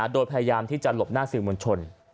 โดยพยายามที่จะหลบหน้าสื่อมวลชน